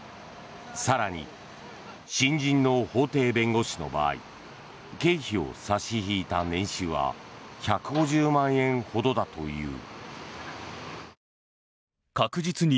更に、新人の法廷弁護士の場合経費を差し引いた年収は１５０万円ほどだという。